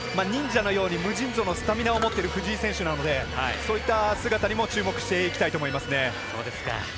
忍者のように無尽蔵のスタミナを持っている藤井選手なのでそういった姿にも注目していきたいと思いますね。